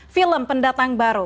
film pendatang baru